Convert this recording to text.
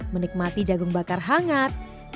menikmati jagung bakar hangatnya